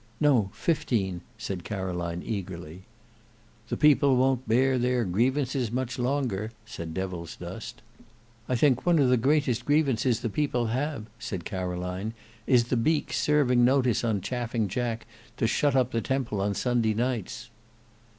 "No, fifteen," said Caroline eagerly. "The people won't bear their grievances much longer," said Devilsdust. "I think one of the greatest grievances the people have," said Caroline, "is the beaks serving notice on Chaffing Jack to shut up the Temple on Sunday nights."